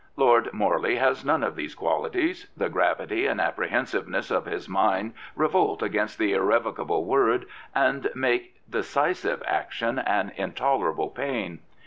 Lord Morley has none of these qualities. The gravity and apprehensiveness of his mind revolt against the irrevocable word and make decisive action an in tolerable pain.